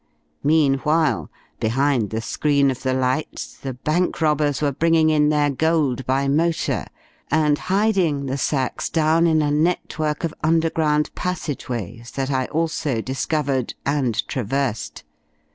Meanwhile, behind the screen of the lights the bank robbers were bringing in their gold by motor and hiding the sacks down in a network of underground passageways that I also discovered and traversed.